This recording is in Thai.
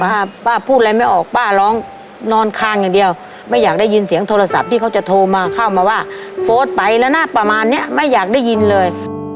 ป้าพูดอะไรไม่ออกป้าร้องนอนคางอย่างเดียวไม่อยากได้ยินเสียงโทรศัพท์ที่เขาจะโทรมาเข้ามาว่าโฟสไปแล้วนะประมาณเนี้ยไม่อยากได้ยินเลย